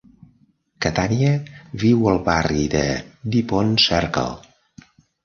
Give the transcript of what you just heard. Catània viu al barri de Dupont Circle.